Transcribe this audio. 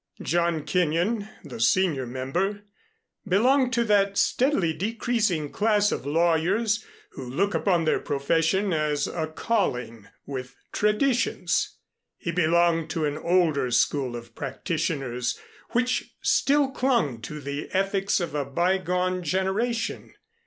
John Kenyon, the senior member, belonged to that steadily decreasing class of lawyers who look upon their profession as a calling with traditions. He belonged to an older school of practitioners which still clung to the ethics of a bygone generation.